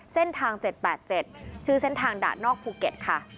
เส้นทาง๗๘๗ชื่อเส้นทางด่านนอกภูเก็ตค่ะ